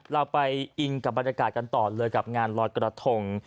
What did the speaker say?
เราไปอินกับบรรยากาศกันต่อเลยกับงานลอยกระทง